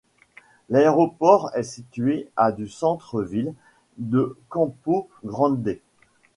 L'aéroport est situé à du centre-ville de Campo Grande.